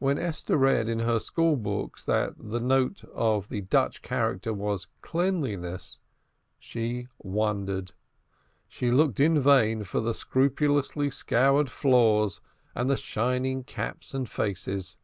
When Esther read in her school books that the note of the Dutch character was cleanliness, she wondered. She looked in vain for the scrupulously scoured floors and the shining caps and faces.